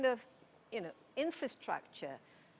dan apa infrastruktur